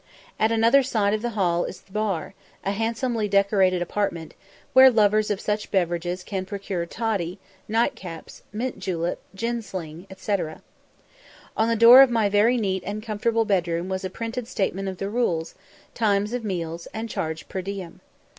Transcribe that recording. At another side of the hall is the bar, a handsomely decorated apartment, where lovers of such beverages can procure "toddy," "night caps," "mint julep," "gin sling," &c. On the door of my very neat and comfortable bed room was a printed statement of the rules, times of meals, and charge per diem.